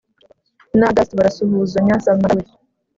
na august barasuhazanya samantha we